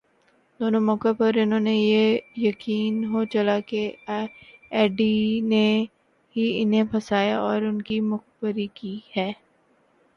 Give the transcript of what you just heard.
دونوں موقعوں پر انھیں یہ یقین ہو چلا کہ ایڈی نے ہی انھیں پھنسایا اور ان کی مخبری کی ہے۔